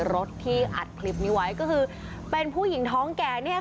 รถที่อัดคลิปนี้ไว้ก็คือเป็นผู้หญิงท้องแก่เนี่ยค่ะ